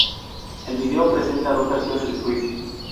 El video presenta dos versiones de Swift.